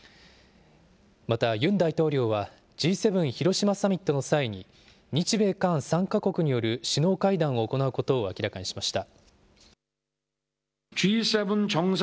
またユン大統領はＧ７広島サミットの際に、日米韓３か国による首脳会談を行うことを明らかにしました。